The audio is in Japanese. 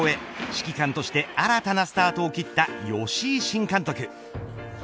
指揮官として、新たなスタートを切った吉井新監督。